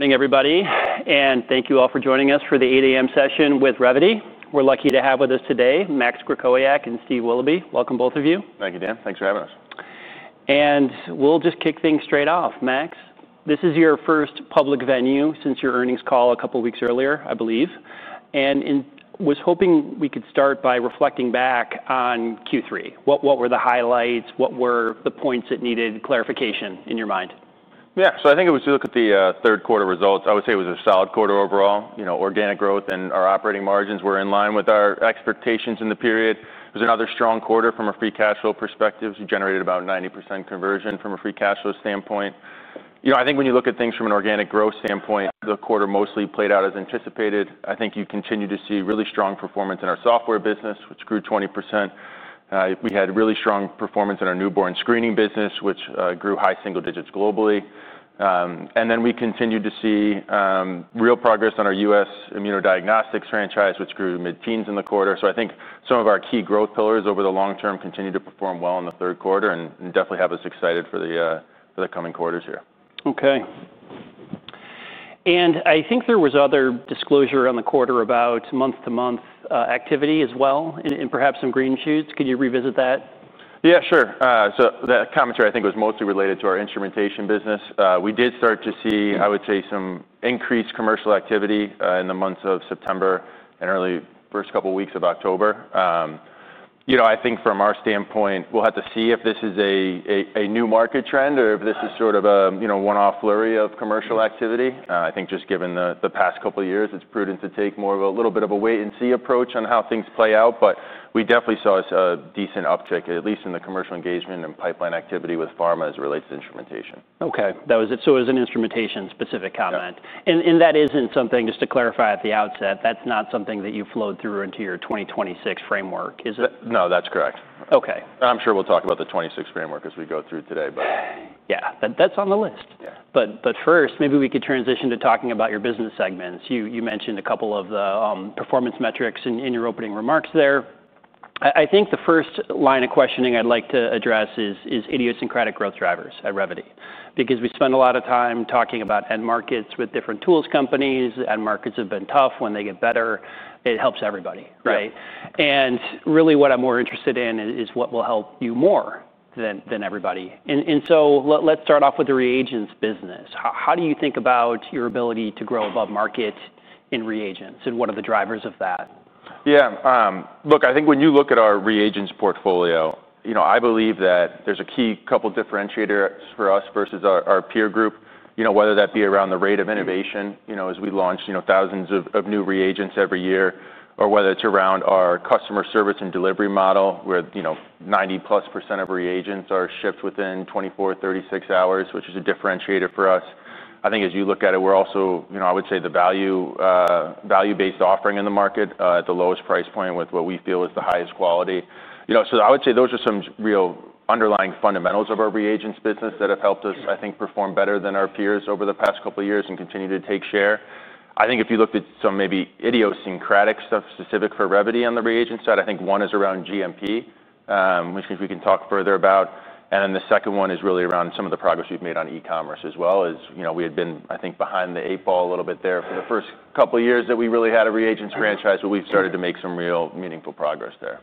Morning, everybody, and thank you all for joining us for the 8:00 A.M. session with Revvity. We're lucky to have with us today Max Krakowiak and Steve Willoughby. Welcome, both of you. Thank you, Dan. Thanks for having us. We will just kick things straight off. Max, this is your first public venue since your earnings call a couple of weeks earlier, I believe. I was hoping we could start by reflecting back on Q3. What were the highlights? What were the points that needed clarification in your mind? Yeah, so I think if we look at the third quarter results, I would say it was a solid quarter overall. Organic growth and our operating margins were in line with our expectations in the period. It was another strong quarter from a free cash flow perspective. We generated about 90% conversion from a free cash flow standpoint. I think when you look at things from an organic growth standpoint, the quarter mostly played out as anticipated. I think you continue to see really strong performance in our software business, which grew 20%. We had really strong performance in our newborn screening business, which grew high single digits globally. Then we continued to see real progress on our U.S. immunodiagnostics franchise, which grew mid-teens in the quarter. I think some of our key growth pillars over the long term continue to perform well in the third quarter and definitely have us excited for the coming quarters here. OK. I think there was other disclosure on the quarter about month-to-month activity as well, and perhaps some green shoots. Could you revisit that? Yeah, sure. So that commentary, I think, was mostly related to our instrumentation business. We did start to see, I would say, some increased commercial activity in the months of September and early first couple of weeks of October. I think from our standpoint, we'll have to see if this is a new market trend or if this is sort of a one-off flurry of commercial activity. I think just given the past couple of years, it's prudent to take more of a little bit of a wait-and-see approach on how things play out. We definitely saw a decent uptick, at least in the commercial engagement and pipeline activity with pharma as it relates to instrumentation. OK, so it was an instrumentation-specific comment. And that isn't something, just to clarify at the outset, that's not something that you flowed through into your 2026 framework, is it? No, that's correct. OK. I'm sure we'll talk about the 2026 framework as we go through today. Yeah, that's on the list. First, maybe we could transition to talking about your business segments. You mentioned a couple of the performance metrics in your opening remarks there. I think the first line of questioning I'd like to address is idiosyncratic growth drivers at Revvity. Because we spend a lot of time talking about end markets with different tools companies. End markets have been tough. When they get better, it helps everybody. What I'm more interested in is what will help you more than everybody. Let's start off with the reagents business. How do you think about your ability to grow above market in reagents? What are the drivers of that? Yeah, look, I think when you look at our reagents portfolio, I believe that there's a key couple of differentiators for us versus our peer group, whether that be around the rate of innovation as we launch thousands of new reagents every year, or whether it's around our customer service and delivery model, where 90%+ of reagents are shipped within 24 hours-36 hours, which is a differentiator for us. I think as you look at it, we're also, I would say, the value-based offering in the market at the lowest price point with what we feel is the highest quality. I would say those are some real underlying fundamentals of our reagents business that have helped us, I think, perform better than our peers over the past couple of years and continue to take share. I think if you looked at some maybe idiosyncratic stuff specific for Revvity on the reagent side, I think one is around GMP, which we can talk further about. The second one is really around some of the progress we've made on e-commerce as well. We had been, I think, behind the eight ball a little bit there for the first couple of years that we really had a reagents franchise, but we've started to make some real meaningful progress there.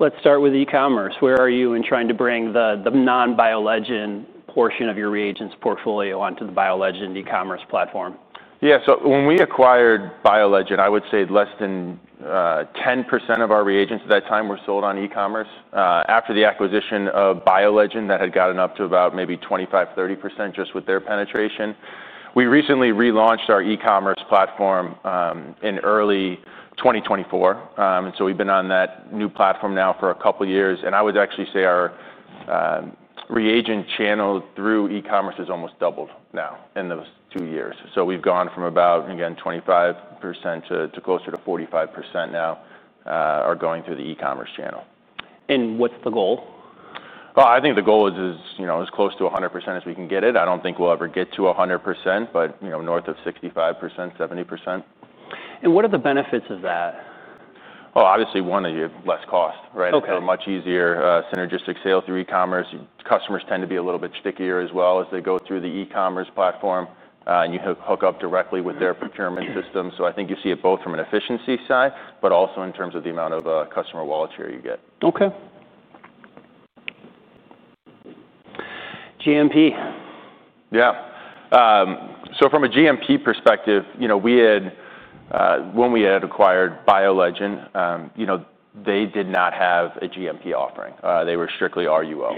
Let's start with e-commerce. Where are you in trying to bring the non-BioLegend portion of your reagents portfolio onto the BioLegend e-commerce platform? Yeah, so when we acquired BioLegend, I would say less than 10% of our reagents at that time were sold on e-commerce. After the acquisition of BioLegend, that had gotten up to about maybe 25%-30% just with their penetration. We recently relaunched our e-commerce platform in early 2024. We've been on that new platform now for a couple of years. I would actually say our reagent channel through e-commerce has almost doubled now in those two years. We've gone from about, again, 25% to closer to 45% now are going through the e-commerce channel. What is the goal? I think the goal is as close to 100% as we can get it. I do not think we will ever get to 100%, but north of 65%-70%. What are the benefits of that? Oh, obviously, one, less cost. We have a much easier synergistic sale through e-commerce. Customers tend to be a little bit stickier as well as they go through the e-commerce platform. You hook up directly with their procurement system. I think you see it both from an efficiency side, but also in terms of the amount of customer wallet share you get. OK. GMP. Yeah. From a GMP perspective, when we had acquired BioLegend, they did not have a GMP offering. They were strictly RUO.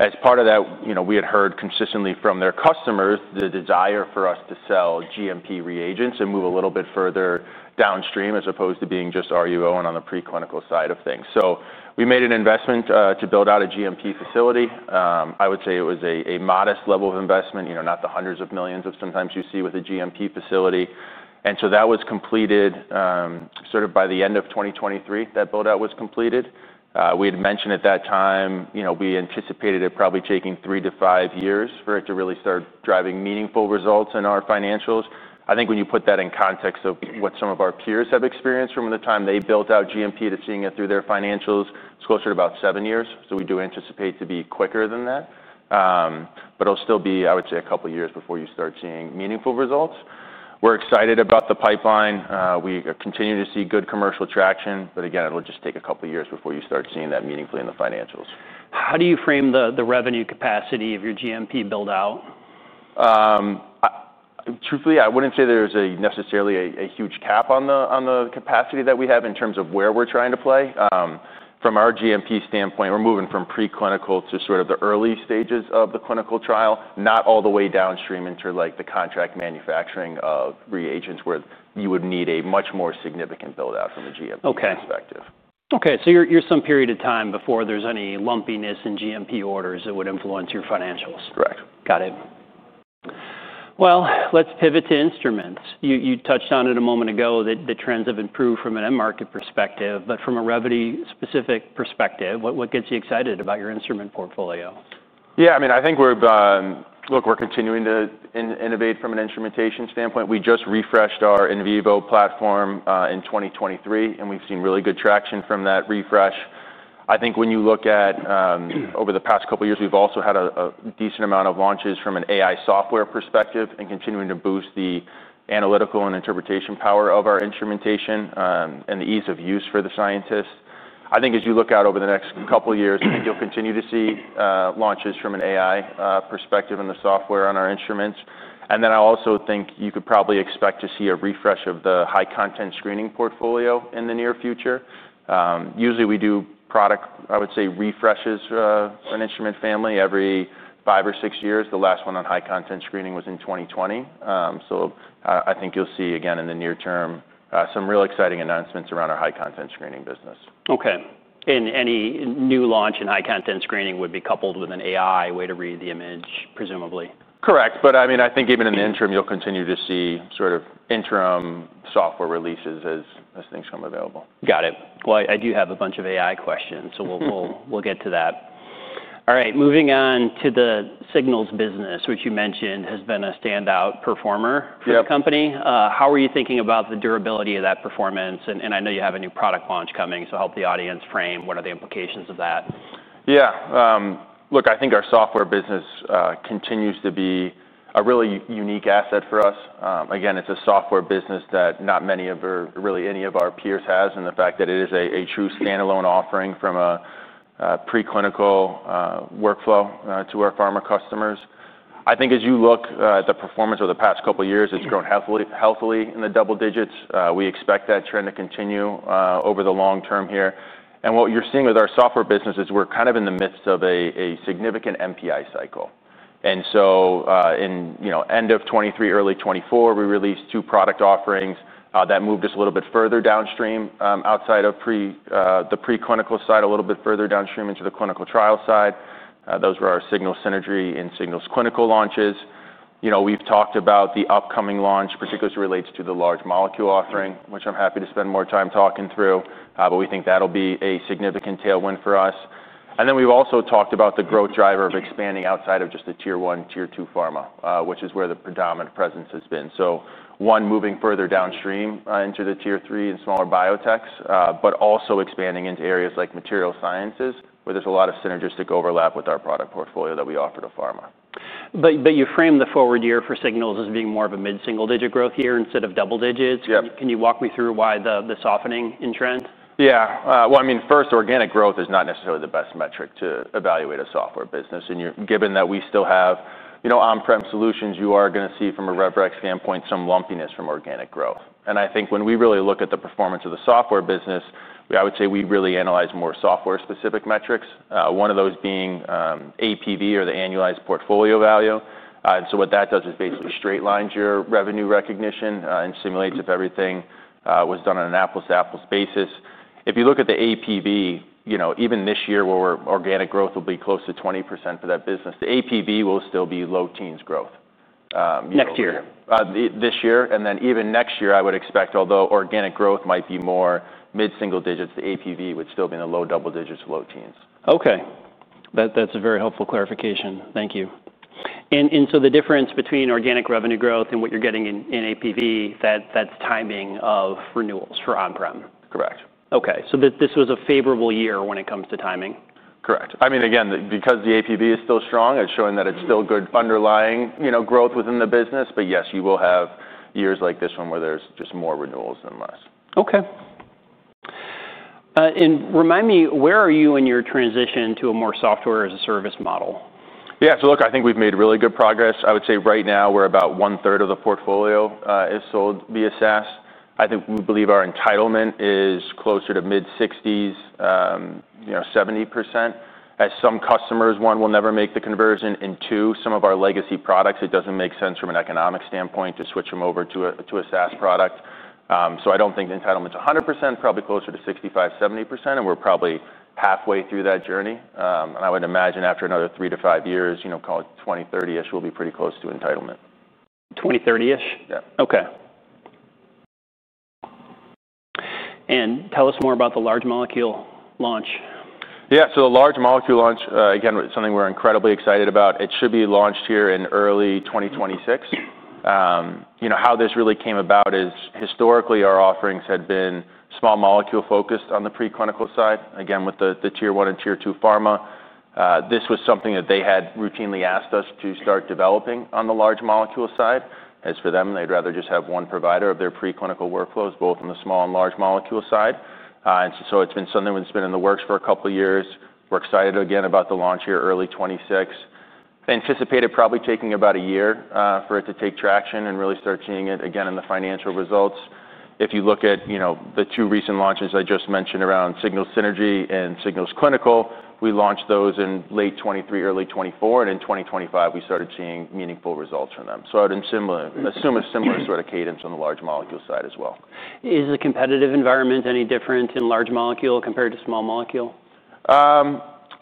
As part of that, we had heard consistently from their customers the desire for us to sell GMP reagents and move a little bit further downstream as opposed to being just RUO and on the preclinical side of things. We made an investment to build out a GMP facility. I would say it was a modest level of investment, not the hundreds of millions that sometimes you see with a GMP facility. That was completed sort of by the end of 2023. That build-out was completed. We had mentioned at that time we anticipated it probably taking three to five years for it to really start driving meaningful results in our financials. I think when you put that in context of what some of our peers have experienced from the time they built out GMP to seeing it through their financials, it's closer to about seven years. We do anticipate to be quicker than that. It will still be, I would say, a couple of years before you start seeing meaningful results. We're excited about the pipeline. We continue to see good commercial traction. It will just take a couple of years before you start seeing that meaningfully in the financials. How do you frame the revenue capacity of your GMP build-out? Truthfully, I wouldn't say there's necessarily a huge cap on the capacity that we have in terms of where we're trying to play. From our GMP standpoint, we're moving from preclinical to sort of the early stages of the clinical trial, not all the way downstream into the contract manufacturing of reagents where you would need a much more significant build-out from a GMP perspective. OK, so you're some period of time before there's any lumpiness in GMP orders that would influence your financials. Correct. Got it. Let's pivot to instruments. You touched on it a moment ago, that the trends have improved from an end market perspective. From a Revvity-specific perspective, what gets you excited about your instrument portfolio? Yeah, I mean, I think we're continuing to innovate from an instrumentation standpoint. We just refreshed our In vivo platform in 2023, and we've seen really good traction from that refresh. I think when you look at over the past couple of years, we've also had a decent amount of launches from an AI software perspective and continuing to boost the analytical and interpretation power of our instrumentation and the ease of use for the scientists. I think as you look out over the next couple of years, I think you'll continue to see launches from an AI perspective in the software on our instruments. I also think you could probably expect to see a refresh of the high-content screening portfolio in the near future. Usually, we do product, I would say, refreshes for an instrument family every five or six years. The last one on high-content screening was in 2020. I think you'll see, again, in the near term, some real exciting announcements around our high-content screening business. OK. Any new launch in high-content screening would be coupled with an AI way to read the image, presumably. Correct. I mean, I think even in the interim, you'll continue to see sort of interim software releases as things come available. Got it. I do have a bunch of AI questions, so we'll get to that. All right, moving on to the Signals business, which you mentioned has been a standout performer for the company. How are you thinking about the durability of that performance? I know you have a new product launch coming, so help the audience frame what are the implications of that. Yeah. Look, I think our software business continues to be a really unique asset for us. Again, it's a software business that not many of, or really any of our peers has, and the fact that it is a true standalone offering from a preclinical workflow to our pharma customers. I think as you look at the performance over the past couple of years, it's grown healthily in the double digits. We expect that trend to continue over the long term here. What you're seeing with our software business is we're kind of in the midst of a significant MPI cycle. In end of 2023, early 2024, we released two product offerings that moved us a little bit further downstream outside of the preclinical side, a little bit further downstream into the clinical trial side. Those were our Signal Synergy and Signals Clinical launches. We've talked about the upcoming launch, particularly as it relates to the large molecule offering, which I'm happy to spend more time talking through. We think that'll be a significant tailwind for us. We've also talked about the growth driver of expanding outside of just the tier one, tier two pharma, which is where the predominant presence has been. One, moving further downstream into the tier three and smaller biotechs, but also expanding into areas like material sciences, where there's a lot of synergistic overlap with our product portfolio that we offer to pharma. You frame the forward year for Signals as being more of a mid-single digit growth year instead of double digits. Can you walk me through why the softening in trend? Yeah. I mean, first, organic growth is not necessarily the best metric to evaluate a software business. Given that we still have on-prem solutions, you are going to see from a Revvity standpoint some lumpiness from organic growth. I think when we really look at the performance of the software business, I would say we really analyze more software-specific metrics, one of those being APV or the annualized portfolio value. What that does is basically straight-lines your revenue recognition and simulates if everything was done on an apples-to-apples basis. If you look at the APV, even this year where organic growth will be close to 20% for that business, the APV will still be low teens growth. Next year. This year. Even next year, I would expect, although organic growth might be more mid-single digits, the APV would still be in the low double digits, low teens. OK. That's a very helpful clarification. Thank you. The difference between organic revenue growth and what you're getting in APV, that's timing of renewals for on-prem. Correct. OK, so this was a favorable year when it comes to timing. Correct. I mean, again, because the APV is still strong, it's showing that it's still good underlying growth within the business. Yes, you will have years like this one where there's just more renewals than less. OK. Remind me, where are you in your transition to a more software-as-a-service model? Yeah, so look, I think we've made really good progress. I would say right now we're about one-third of the portfolio is sold via SaaS. I think we believe our entitlement is closer to mid-60s, 70%. As some customers, one, will never make the conversion. And two, some of our legacy products, it doesn't make sense from an economic standpoint to switch them over to a SaaS product. So I don't think the entitlement's 100%, probably closer to 65%-70%. And we're probably halfway through that journey. I would imagine after another three to five years, call it 2030-ish, we'll be pretty close to entitlement. 2030-ish? Yeah. OK. Tell us more about the large molecule launch. Yeah, so the large molecule launch, again, something we're incredibly excited about. It should be launched here in early 2026. How this really came about is historically our offerings had been small molecule focused on the preclinical side. Again, with the tier one and tier two pharma, this was something that they had routinely asked us to start developing on the large molecule side. As for them, they'd rather just have one provider of their preclinical workflows, both on the small and large molecule side. It has been something that's been in the works for a couple of years. We're excited again about the launch here, early 2026. Anticipated probably taking about a year for it to take traction and really start seeing it again in the financial results. If you look at the two recent launches I just mentioned around Signal Synergy and Signals Clinical, we launched those in late 2023, early 2024. In 2025, we started seeing meaningful results from them. I would assume a similar sort of cadence on the large molecule side as well. Is the competitive environment any different in large molecule compared to small molecule?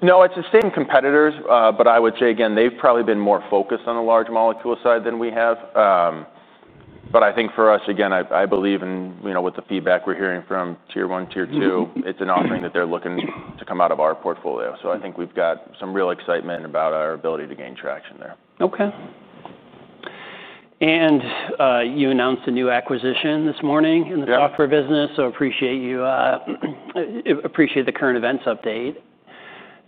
No, it's the same competitors. I would say, again, they've probably been more focused on the large molecule side than we have. I think for us, again, I believe in what the feedback we're hearing from tier one, tier two, it's an offering that they're looking to come out of our portfolio. I think we've got some real excitement about our ability to gain traction there. OK. You announced a new acquisition this morning in the software business. I appreciate the current events update.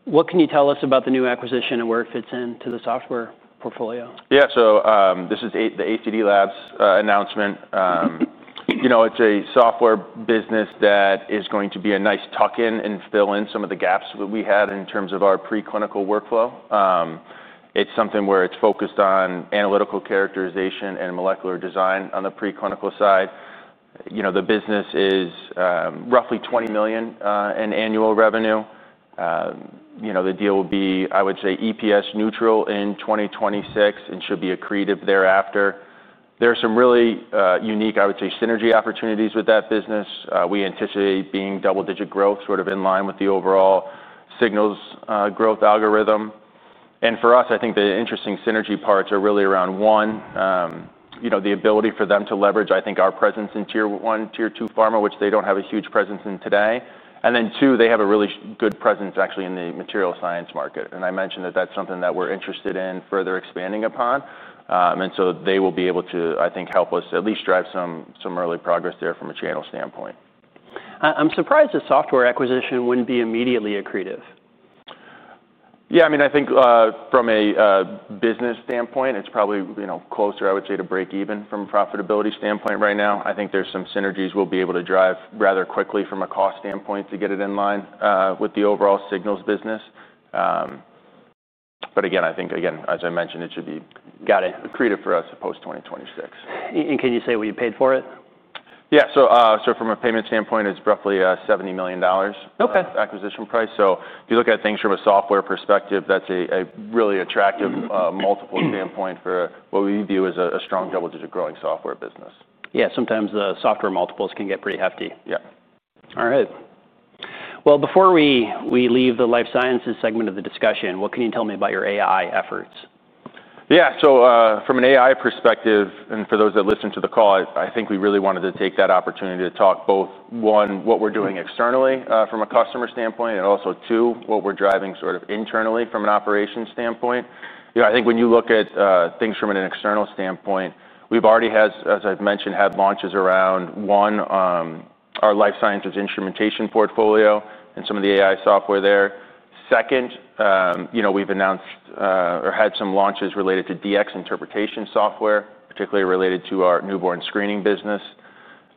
What can you tell us about the new acquisition and where it fits into the software portfolio? Yeah, so this is the ACD/Labs announcement. It's a software business that is going to be a nice tuck-in and fill in some of the gaps that we had in terms of our preclinical workflow. It's something where it's focused on analytical characterization and molecular design on the preclinical side. The business is roughly $20 million in annual revenue. The deal will be, I would say, EPS neutral in 2026 and should be accretive thereafter. There are some really unique, I would say, synergy opportunities with that business. We anticipate being double-digit growth, sort of in line with the overall Signals growth algorithm. And for us, I think the interesting synergy parts are really around, one, the ability for them to leverage, I think, our presence in tier one, tier two pharma, which they don't have a huge presence in today. They have a really good presence actually in the material science market. I mentioned that is something that we are interested in further expanding upon. They will be able to, I think, help us at least drive some early progress there from a channel standpoint. I'm surprised a software acquisition wouldn't be immediately accretive. Yeah, I mean, I think from a business standpoint, it's probably closer, I would say, to break even from a profitability standpoint right now. I think there are some synergies we'll be able to drive rather quickly from a cost standpoint to get it in line with the overall Signals business. Again, as I mentioned, it should be accretive for us post-2026. Can you say what you paid for it? Yeah, so from a payment standpoint, it's roughly $70 million acquisition price. If you look at things from a software perspective, that's a really attractive multiple standpoint for what we view as a strong double-digit growing software business. Yeah, sometimes the software multiples can get pretty hefty. Yeah. All right. Before we leave the life sciences segment of the discussion, what can you tell me about your AI efforts? Yeah, so from an AI perspective, and for those that listen to the call, I think we really wanted to take that opportunity to talk both, one, what we're doing externally from a customer standpoint, and also, two, what we're driving sort of internally from an operations standpoint. I think when you look at things from an external standpoint, we've already, as I've mentioned, had launches around, one, our life sciences instrumentation portfolio and some of the AI software there. Second, we've announced or had some launches related to DX interpretation software, particularly related to our newborn screening business.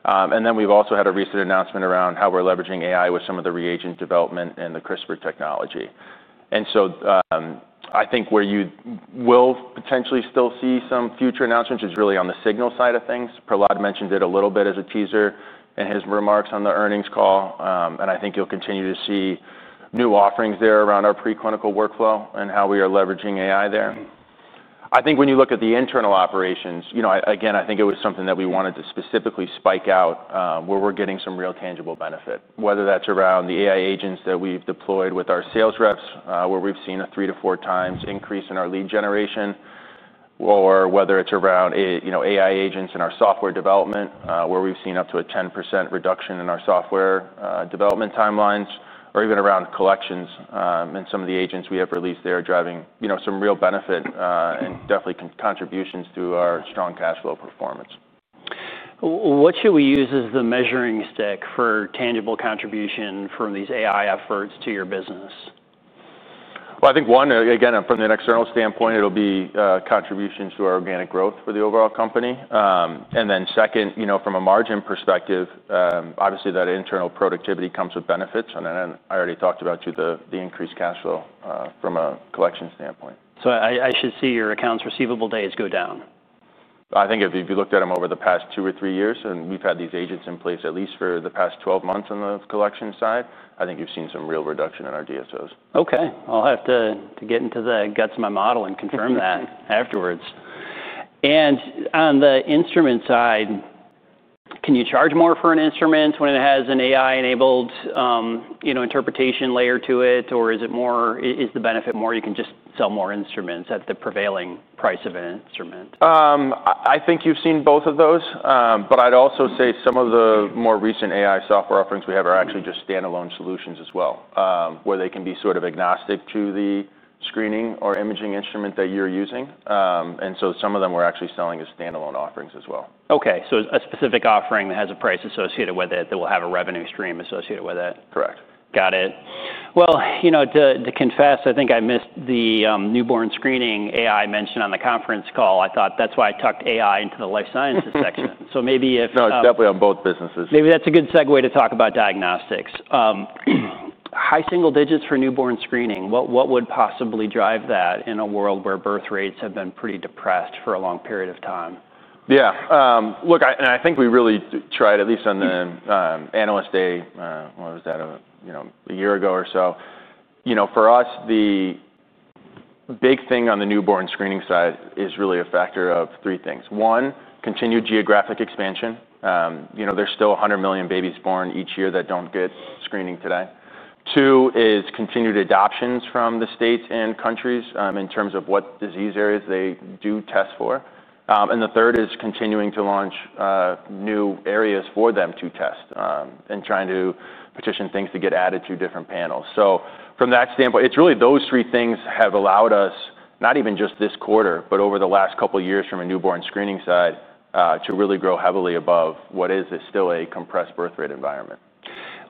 Then we've also had a recent announcement around how we're leveraging AI with some of the reagent development and the CRISPR technology. I think where you will potentially still see some future announcements is really on the signal side of things. Prahlad mentioned it a little bit as a teaser in his remarks on the earnings call. I think you'll continue to see new offerings there around our preclinical workflow and how we are leveraging AI there. I think when you look at the internal operations, again, I think it was something that we wanted to specifically spike out where we're getting some real tangible benefit, whether that's around the AI agents that we've deployed with our sales reps, where we've seen a three- to four-times increase in our lead generation, or whether it's around AI agents in our software development, where we've seen up to a 10% reduction in our software development timelines, or even around collections. Some of the agents we have released there are driving some real benefit and definitely contributions to our strong cash flow performance. What should we use as the measuring stick for tangible contribution from these AI efforts to your business? I think one, again, from an external standpoint, it'll be contributions to our organic growth for the overall company. Then second, from a margin perspective, obviously that internal productivity comes with benefits. I already talked about the increased cash flow from a collection standpoint. I should see your accounts receivable days go down. I think if you looked at them over the past two or three years, and we've had these agents in place at least for the past 12 months on the collection side, I think you've seen some real reduction in our DSOs. OK. I'll have to get into the guts of my model and confirm that afterwards. On the instrument side, can you charge more for an instrument when it has an AI-enabled interpretation layer to it, or is the benefit more you can just sell more instruments at the prevailing price of an instrument? I think you've seen both of those. I'd also say some of the more recent AI software offerings we have are actually just standalone solutions as well, where they can be sort of agnostic to the screening or imaging instrument that you're using. Some of them we're actually selling as standalone offerings as well. OK, so a specific offering that has a price associated with it that will have a revenue stream associated with it. Correct. Got it. To confess, I think I missed the newborn screening AI mentioned on the conference call. I thought that's why I tucked AI into the life sciences section. So maybe if. No, it's definitely on both businesses. Maybe that is a good segue to talk about diagnostics. High single digits for newborn screening, what would possibly drive that in a world where birth rates have been pretty depressed for a long period of time? Yeah. Look, and I think we really tried, at least on the Analyst Day, what was that, a year ago or so. For us, the big thing on the newborn screening side is really a factor of three things. One, continued geographic expansion. There are still 100 million babies born each year that do not get screening today. Two is continued adoptions from the states and countries in terms of what disease areas they do test for. The third is continuing to launch new areas for them to test and trying to petition things to get added to different panels. From that standpoint, it is really those three things that have allowed us, not even just this quarter, but over the last couple of years from a newborn screening side, to really grow heavily above what is still a compressed birth rate environment.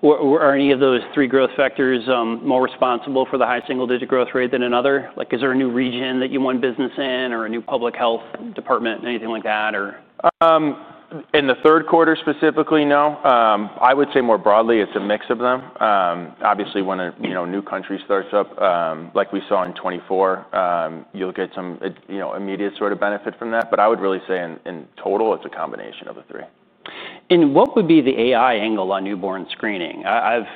Are any of those three growth factors more responsible for the high single digit growth rate than another? Is there a new region that you want business in or a new public health department, anything like that? In the third quarter specifically, no. I would say more broadly, it's a mix of them. Obviously, when a new country starts up, like we saw in 2024, you'll get some immediate sort of benefit from that. I would really say in total, it's a combination of the three. What would be the AI angle on newborn screening? I've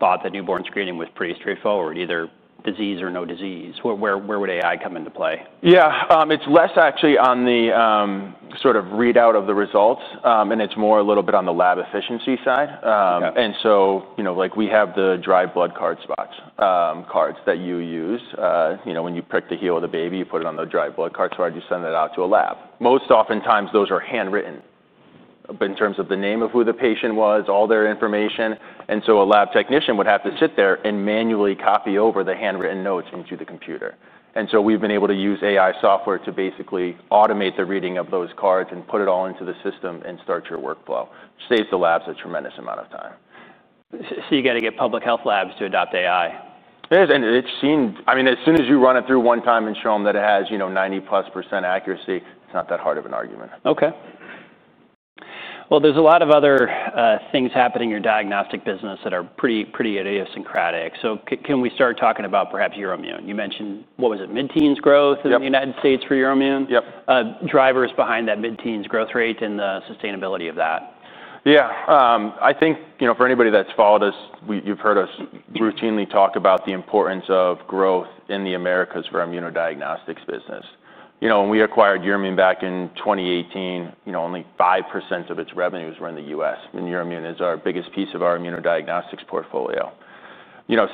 thought that newborn screening was pretty straightforward, either disease or no disease. Where would AI come into play? Yeah, it's less actually on the sort of readout of the results. It's more a little bit on the lab efficiency side. We have the dry blood spot cards that you use. When you prick the heel of the baby, you put it on the dry blood spot card, you send it out to a lab. Most oftentimes, those are handwritten. In terms of the name of who the patient was, all their information, a lab technician would have to sit there and manually copy over the handwritten notes into the computer. We've been able to use AI software to basically automate the reading of those cards and put it all into the system and start your workflow, which saves the labs a tremendous amount of time. You've got to get public health labs to adopt AI. It is. And it's seen, I mean, as soon as you run it through one time and show them that it has 90%+ accuracy, it's not that hard of an argument. OK. There is a lot of other things happening in your diagnostic business that are pretty idiosyncratic. Can we start talking about perhaps Euroimmun? You mentioned, what was it, mid-teens growth in the United States for Euroimmun? Yep. Drivers behind that mid-teens growth rate and the sustainability of that? Yeah. I think for anybody that's followed us, you've heard us routinely talk about the importance of growth in the Americas for immunodiagnostics business. When we acquired Euroimmun back in 2018, only 5% of its revenues were in the U.S. And Euroimmun is our biggest piece of our immunodiagnostics portfolio.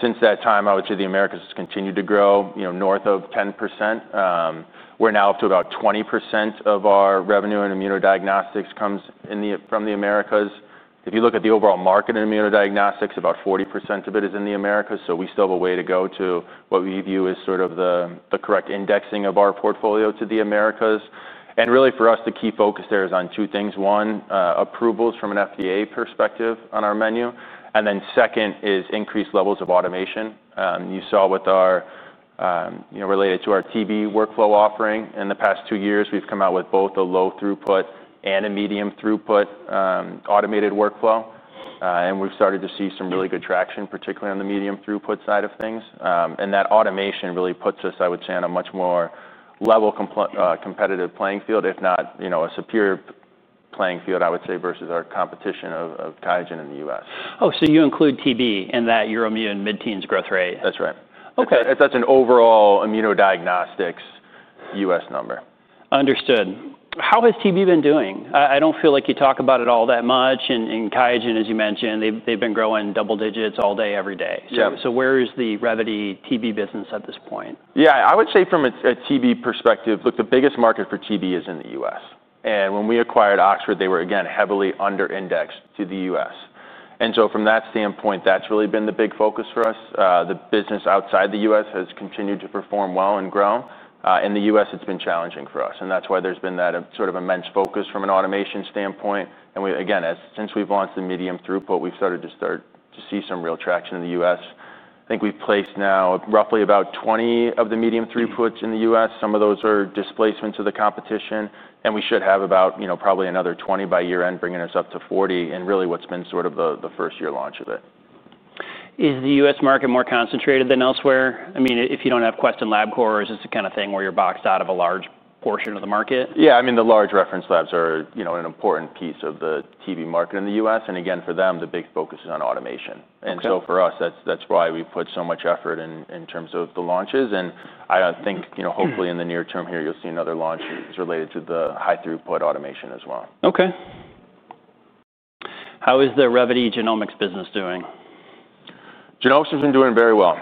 Since that time, I would say the Americas has continued to grow north of 10%. We're now up to about 20% of our revenue in immunodiagnostics comes from the Americas. If you look at the overall market in immunodiagnostics, about 40% of it is in the Americas. We still have a way to go to what we view as sort of the correct indexing of our portfolio to the Americas. Really, for us, the key focus there is on two things. One, approvals from an FDA perspective on our menu. Second is increased levels of automation. You saw related to our TB workflow offering, in the past two years, we've come out with both a low throughput and a medium throughput automated workflow. We've started to see some really good traction, particularly on the medium throughput side of things. That automation really puts us, I would say, on a much more level competitive playing field, if not a superior playing field, I would say, versus our competition of Qiagen in the U.S. Oh, so you include TB in that uromune mid-teens growth rate? That's right. OK. That's an overall immunodiagnostics U.S. number. Understood. How has TB been doing? I do not feel like you talk about it all that much. And Qiagen, as you mentioned, they have been growing double digits all day, every day. So where is the Revvity TB business at this point? Yeah, I would say from a TB perspective, look, the biggest market for TB is in the U.S. And when we acquired Oxford, they were, again, heavily under-indexed to the U.S. From that standpoint, that's really been the big focus for us. The business outside the U.S. has continued to perform well and grow. In the U.S., it's been challenging for us. That's why there's been that sort of immense focus from an automation standpoint. Again, since we've launched the medium throughput, we've started to see some real traction in the U.S. I think we've placed now roughly about 20 of the medium throughputs in the U.S. Some of those are displacements of the competition. We should have about probably another 20 by year-end, bringing us up to 40 in really what's been sort of the first year launch of it. Is the U.S. market more concentrated than elsewhere? I mean, if you do not have Quest and Labcorp, or is this the kind of thing where you are boxed out of a large portion of the market? Yeah, I mean, the large reference labs are an important piece of the TB market in the U.S. Again, for them, the big focus is on automation. For us, that's why we've put so much effort in terms of the launches. I think hopefully in the near term here, you'll see another launch related to the high throughput automation as well. OK. How is the Revvity genomics business doing? Genomics has been doing very well.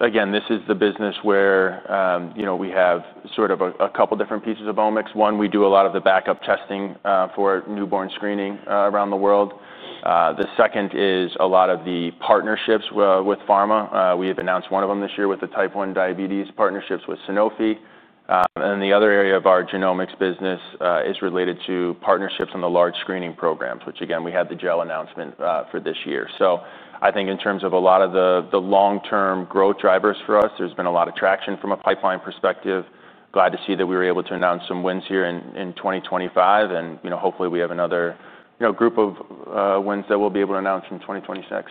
Again, this is the business where we have sort of a couple of different pieces of omics. One, we do a lot of the backup testing for newborn screening around the world. The second is a lot of the partnerships with pharma. We have announced one of them this year with the type 1 diabetes partnerships with Sanofi. The other area of our genomics business is related to partnerships on the large screening programs, which again, we had the gel announcement for this year. I think in terms of a lot of the long-term growth drivers for us, there has been a lot of traction from a pipeline perspective. Glad to see that we were able to announce some wins here in 2025. Hopefully, we have another group of wins that we will be able to announce in 2026.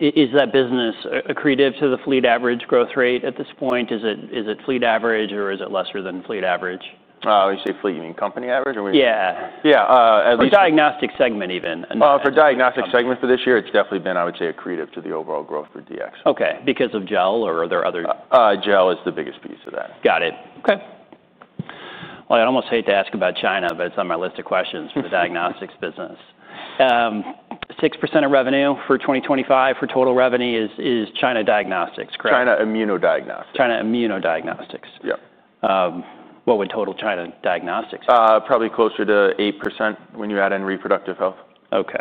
Is that business accretive to the fleet average growth rate at this point? Is it fleet average, or is it lesser than fleet average? You say fleet, you mean company average? Yeah. Yeah. For diagnostic segment, even. For diagnostic segment for this year, it's definitely been, I would say, accretive to the overall growth for DX. OK. Because of gel or are there other? Gel is the biggest piece of that. Got it. OK. I'd almost hate to ask about China, but it's on my list of questions for the diagnostics business. 6% of revenue for 2025 for total revenue is China diagnostics, correct? China immunodiagnostics. China immunodiagnostics. Yep. What would total China diagnostics be? Probably closer to 8% when you add in reproductive health. OK.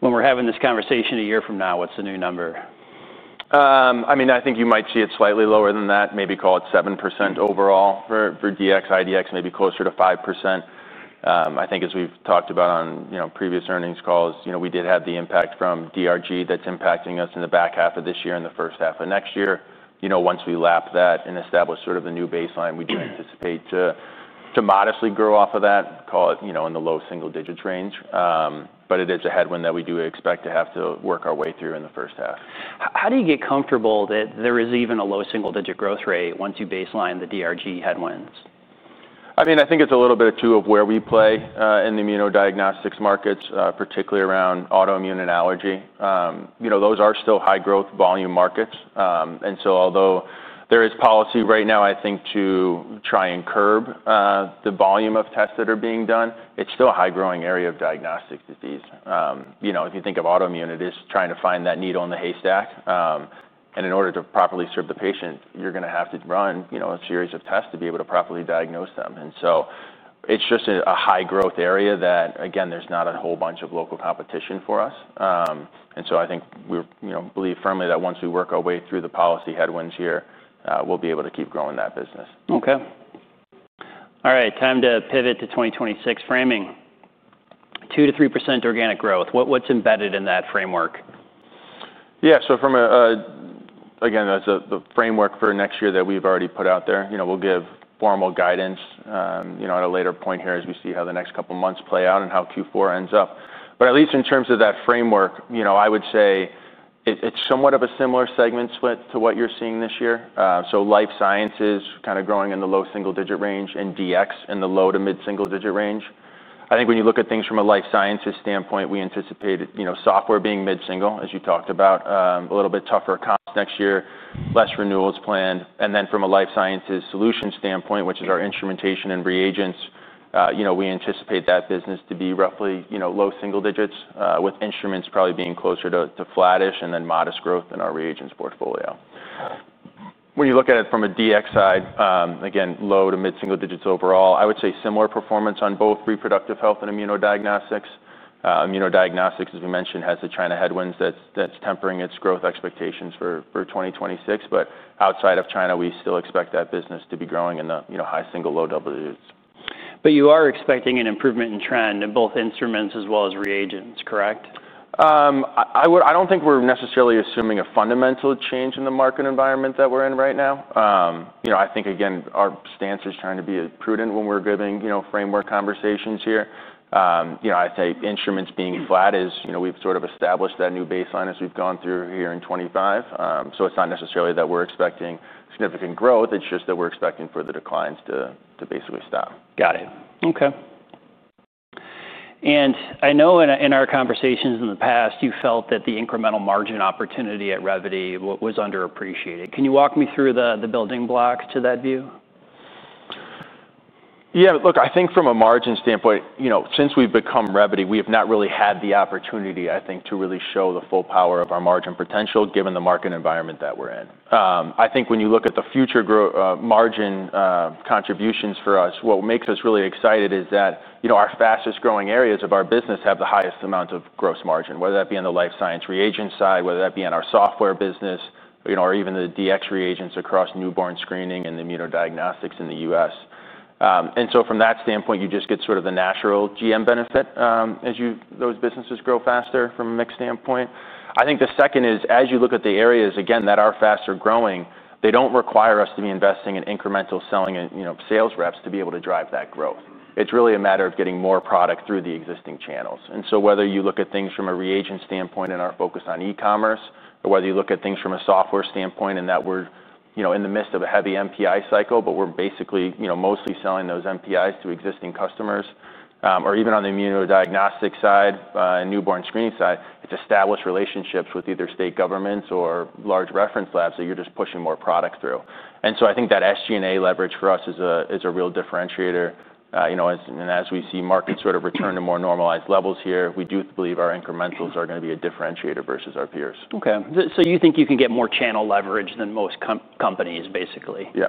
When we're having this conversation a year from now, what's the new number? I mean, I think you might see it slightly lower than that, maybe call it 7% overall for DX, IDX, maybe closer to 5%. I think as we've talked about on previous earnings calls, we did have the impact from DRG that's impacting us in the back half of this year and the first half of next year. Once we lap that and establish sort of the new baseline, we do anticipate to modestly grow off of that, call it in the low single digits range. It is a headwind that we do expect to have to work our way through in the first half. How do you get comfortable that there is even a low single-digit growth rate once you baseline the DRG headwinds? I mean, I think it's a little bit of two of where we play in the immunodiagnostics markets, particularly around autoimmune and allergy. Those are still high growth volume markets. Although there is policy right now, I think, to try and curb the volume of tests that are being done, it's still a high growing area of diagnostic disease. If you think of autoimmune, it is trying to find that needle in the haystack. In order to properly serve the patient, you're going to have to run a series of tests to be able to properly diagnose them. It's just a high growth area that, again, there's not a whole bunch of local competition for us. I think we believe firmly that once we work our way through the policy headwinds here, we'll be able to keep growing that business. OK. All right, time to pivot to 2026 framing. 2%-3% organic growth. What's embedded in that framework? Yeah, so again, that's the framework for next year that we've already put out there. We'll give formal guidance at a later point here as we see how the next couple of months play out and how Q4 ends up. At least in terms of that framework, I would say it's somewhat of a similar segment split to what you're seeing this year. Life sciences kind of growing in the low single digit range and DX in the low to mid single digit range. I think when you look at things from a life sciences standpoint, we anticipate software being mid single, as you talked about, a little bit tougher comps next year, less renewals planned. From a life sciences solution standpoint, which is our instrumentation and reagents, we anticipate that business to be roughly low single digits, with instruments probably being closer to flattish and then modest growth in our reagents portfolio. When you look at it from a DX side, again, low to mid single digits overall, I would say similar performance on both reproductive health and immunodiagnostics. Immunodiagnostics, as we mentioned, has the China headwinds that are tempering its growth expectations for 2026. Outside of China, we still expect that business to be growing in the high single, low double digits. You are expecting an improvement in trend in both instruments as well as reagents, correct? I don't think we're necessarily assuming a fundamental change in the market environment that we're in right now. I think, again, our stance is trying to be prudent when we're giving framework conversations here. I'd say instruments being flat is we've sort of established that new baseline as we've gone through here in 2025. It is not necessarily that we're expecting significant growth. It is just that we're expecting for the declines to basically stop. Got it. OK. I know in our conversations in the past, you felt that the incremental margin opportunity at Revvity was underappreciated. Can you walk me through the building blocks to that view? Yeah, look, I think from a margin standpoint, since we've become Revvity, we have not really had the opportunity, I think, to really show the full power of our margin potential given the market environment that we're in. I think when you look at the future margin contributions for us, what makes us really excited is that our fastest growing areas of our business have the highest amount of gross margin, whether that be on the life science reagent side, whether that be in our software business, or even the DX reagents across newborn screening and immunodiagnostics in the U.S. From that standpoint, you just get sort of the natural GM benefit as those businesses grow faster from a mixed standpoint. I think the second is, as you look at the areas, again, that are faster growing, they do not require us to be investing in incremental selling and sales reps to be able to drive that growth. It is really a matter of getting more product through the existing channels. Whether you look at things from a reagent standpoint and are focused on e-commerce, or whether you look at things from a software standpoint in that we are in the midst of a heavy MPI cycle, but we are basically mostly selling those MPIs to existing customers. Even on the immunodiagnostic side and newborn screening side, it is established relationships with either state governments or large reference labs that you are just pushing more product through. I think that SG&A leverage for us is a real differentiator. As we see markets sort of return to more normalized levels here, we do believe our incrementals are going to be a differentiator versus our peers. OK. So you think you can get more channel leverage than most companies, basically? Yeah.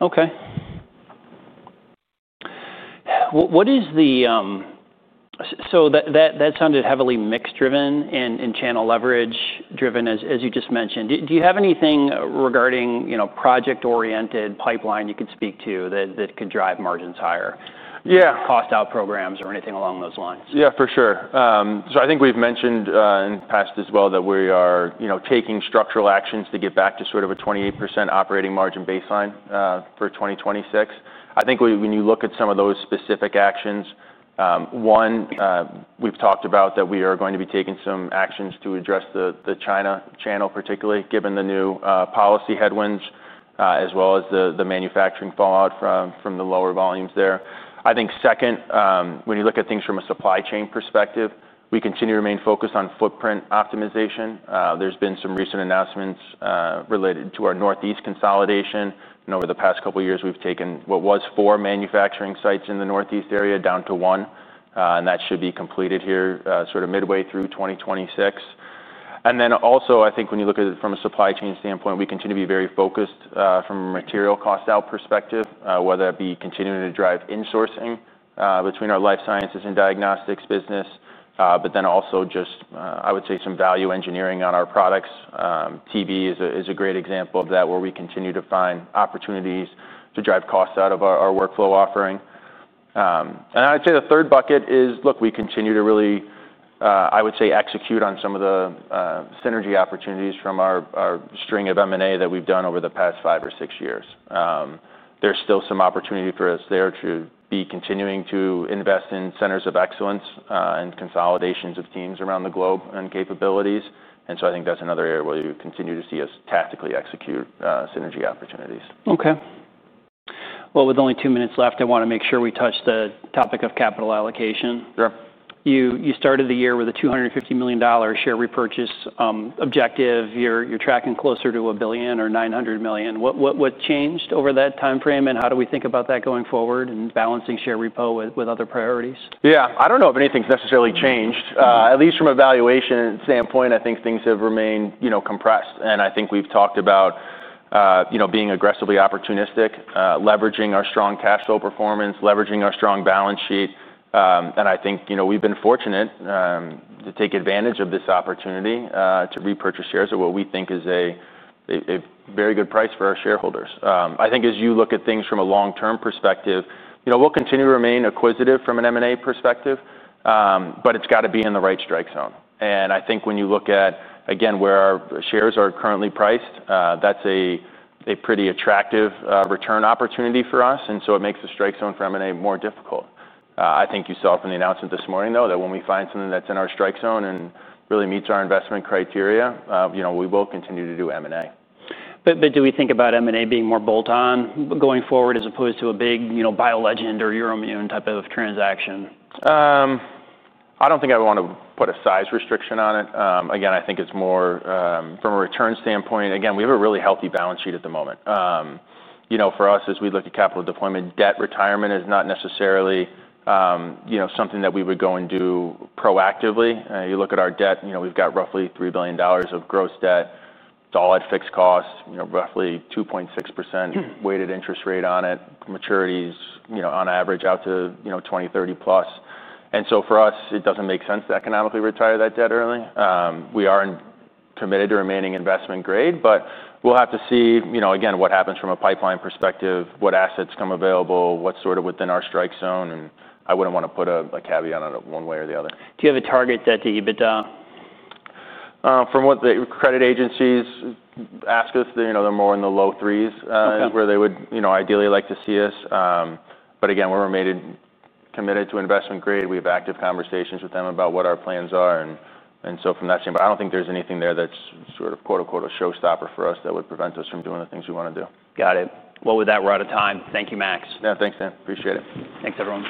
OK. That sounded heavily mix driven and channel leverage driven, as you just mentioned. Do you have anything regarding project-oriented pipeline you could speak to that could drive margins higher? Yeah. Cost-out programs or anything along those lines? Yeah, for sure. I think we've mentioned in the past as well that we are taking structural actions to get back to sort of a 28% operating margin baseline for 2026. I think when you look at some of those specific actions, one, we've talked about that we are going to be taking some actions to address the China channel, particularly given the new policy headwinds, as well as the manufacturing fallout from the lower volumes there. I think second, when you look at things from a supply chain perspective, we continue to remain focused on footprint optimization. There have been some recent announcements related to our Northeast consolidation. Over the past couple of years, we've taken what was four manufacturing sites in the Northeast area down to one. That should be completed here sort of midway through 2026. I think when you look at it from a supply chain standpoint, we continue to be very focused from a material cost-out perspective, whether that be continuing to drive insourcing between our life sciences and diagnostics business, but then also just, I would say, some value engineering on our products. TB is a great example of that where we continue to find opportunities to drive costs out of our workflow offering. I'd say the third bucket is, look, we continue to really, I would say, execute on some of the synergy opportunities from our string of M&A that we've done over the past five or six years. There's still some opportunity for us there to be continuing to invest in centers of excellence and consolidations of teams around the globe and capabilities. I think that's another area where you continue to see us tactically execute synergy opportunities. OK. With only two minutes left, I want to make sure we touch the topic of capital allocation. Sure. You started the year with a $250 million share repurchase objective. You're tracking closer to a billion or $900 million. What changed over that time frame? How do we think about that going forward and balancing share repo with other priorities? Yeah, I don't know if anything's necessarily changed. At least from a valuation standpoint, I think things have remained compressed. I think we've talked about being aggressively opportunistic, leveraging our strong cash flow performance, leveraging our strong balance sheet. I think we've been fortunate to take advantage of this opportunity to repurchase shares at what we think is a very good price for our shareholders. I think as you look at things from a long-term perspective, we'll continue to remain acquisitive from an M&A perspective, but it's got to be in the right strike zone. I think when you look at, again, where our shares are currently priced, that's a pretty attractive return opportunity for us. It makes the strike zone for M&A more difficult. I think you saw from the announcement this morning, though, that when we find something that's in our strike zone and really meets our investment criteria, we will continue to do M&A. Do we think about M&A being more bolt-on going forward as opposed to a big BioLegend or Euroimmun type of transaction? I don't think I would want to put a size restriction on it. Again, I think it's more from a return standpoint. Again, we have a really healthy balance sheet at the moment. For us, as we look at capital deployment, debt retirement is not necessarily something that we would go and do proactively. You look at our debt, we've got roughly $3 billion of gross debt, solid fixed costs, roughly 2.6% weighted interest rate on it, maturities on average out to 2030+. For us, it doesn't make sense to economically retire that debt early. We are committed to remaining investment grade, but we'll have to see, again, what happens from a pipeline perspective, what assets come available, what's sort of within our strike zone. I wouldn't want to put a caveat on it one way or the other. Do you have a target that you'd? From what the credit agencies ask us, they're more in the low threes where they would ideally like to see us. Again, we're committed to investment grade. We have active conversations with them about what our plans are. From that standpoint, I do not think there's anything there that's sort of quote unquote a showstopper for us that would prevent us from doing the things we want to do. Got it. With that, we're out of time. Thank you, Max. Yeah, thanks, Dan. Appreciate it. Thanks everyone.